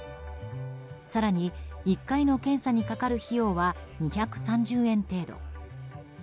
更に１回の検査にかかる費用は２３０円程度。